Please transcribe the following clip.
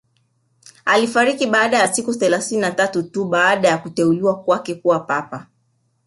Alifariki baada ya siku thelathini na tatu tu baada ya kuteuliwa kwake kuwa papa